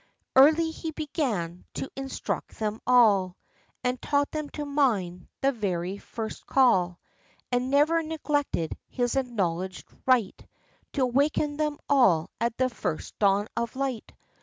Early he began to instruct them all, And taught them to mind the very first call; And never neglected his acknowledged right To awaken them all at the first dawn of light.